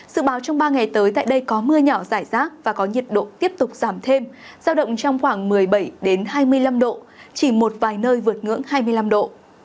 sự báo trong ba ngày tới tại đây có mưa nhỏ rải rác và có nhiệt độ tiếp tục giảm thêm giao động trong khoảng một mươi bảy hai mươi năm độ chỉ một vài nơi vượt ngưỡng hai mươi năm độ